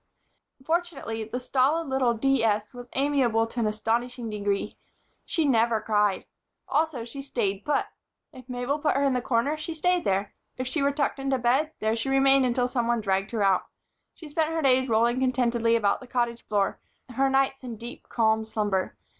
Fortunately, the stolid little "D. S." was amiable to an astonishing degree. She never cried. Also, she "stayed put." If Mabel stood her in the corner she stayed there. If she were tucked into bed, there she remained until some one dragged her out. She spent her days rolling contentedly about the Cottage floor, her nights in deep, calm slumber.